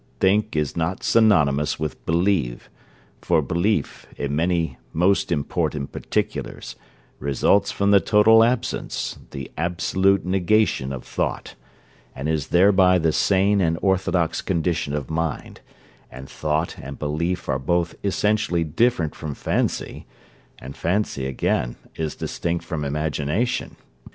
Think is not synonymous with believe for belief, in many most important particulars, results from the total absence, the absolute negation of thought, and is thereby the sane and orthodox condition of mind; and thought and belief are both essentially different from fancy, and fancy, again, is distinct from imagination.